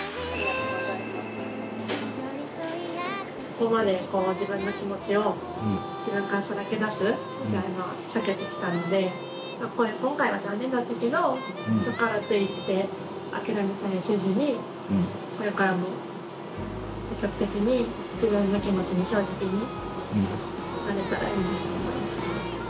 ここまでこう自分の気持ちを自分からさらけ出すみたいなの避けてきたので今回は残念だったけどだからといって諦めたりせずにこれからも積極的に自分の気持ちに正直になれたらいいなと思います